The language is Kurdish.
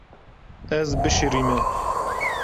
Ez bişirîme.